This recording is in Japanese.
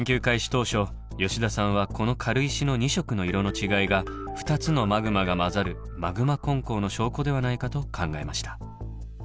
当初吉田さんはこの軽石の２色の色の違いが２つのマグマが混ざる「マグマ混交」の証拠ではないかと考えました。